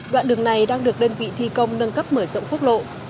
đoạn đường này đang được đơn vị thi công nâng cấp mở rộng quốc lộ